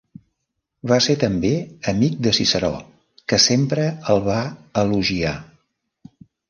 Va ser també amic de Ciceró que sempre el va elogiar.